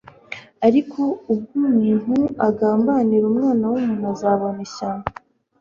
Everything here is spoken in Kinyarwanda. ariko uwo muntu ugambanira Umwana w'umuntu azabona ishyano!